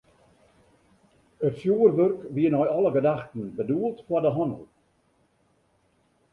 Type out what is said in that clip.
It fjoerwurk wie nei alle gedachten bedoeld foar de hannel.